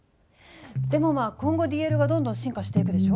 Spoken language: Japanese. でもまあ今後ＤＬがどんどん進化していくでしょ。